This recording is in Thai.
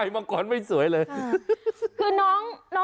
น้องเขาปุ้ม